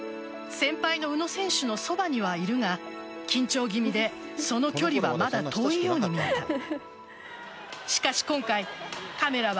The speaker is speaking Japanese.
先輩の宇野選手のそばにはいるが緊張気味でその距離はまだ遠いように見えた。